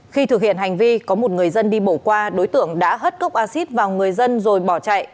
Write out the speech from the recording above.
khi thực hiện hành vi có một người dân đi bỏ qua đối tượng đã hất cốc acid vào người dân rồi bỏ chạy